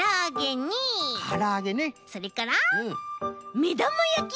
それからめだまやき。